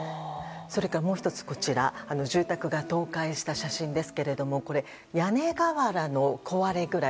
それから、もう１つこちら住宅が倒壊した写真ですが屋根瓦の壊れ具合